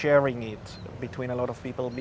berbanding dengan berbagi dengan banyak orang